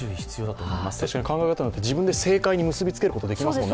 確かに考え方によって、自分で正解に結びつけることできますもんね。